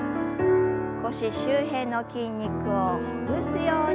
腰周辺の筋肉をほぐすように。